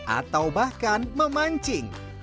atau bahkan memancing